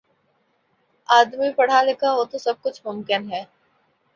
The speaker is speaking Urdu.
آدمی پڑھا لکھا ہو تو سب کچھ ممکن ہے